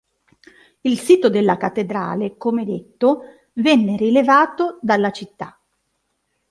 Il sito della cattedrale, come detto, venne rilevato dalla città.